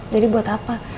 jadi buat apa